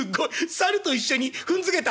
サルと一緒に踏んづけた。